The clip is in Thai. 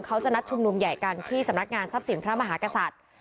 เขาจะนัดชุมนุมใหญ่กันที่สำนักงานทรัพย์สินพระมหากษัตริย์